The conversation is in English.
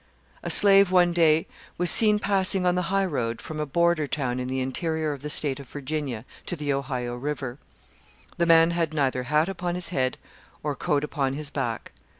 A slave was one day seen passing on the high road from a border town in the interior of the state of Virginia to the Ohio river. The man had neither hat upon his head or coat upon his back.